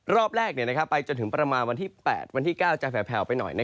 รอบแรกไปจนถึงประมาณวันที่๘วันที่๙จะแผลวไปหน่อย